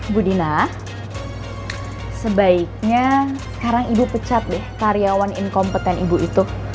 bu dina sebaiknya sekarang ibu pecat deh karyawan inkompeten ibu itu